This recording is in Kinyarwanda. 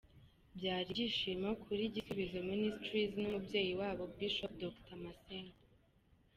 Byari ibyishimo kuri Gisubizo Ministries n'umubyeyi wabo Bishop Dr Masengo.